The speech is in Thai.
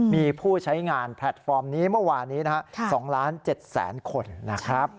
มีผู้ใช้งานแพลตฟอร์มนี้เมื่อวานี้นะครับ๒ล้าน๗แสนคนนะครับ